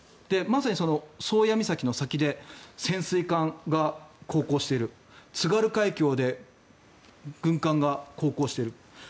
まさに宗谷岬の先で潜水艦が航行している津軽海峡で軍艦が航行している。